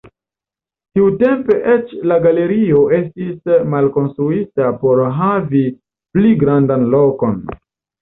Tiutempe eĉ la galerio estis malkonstruita por havi pli grandan lokon.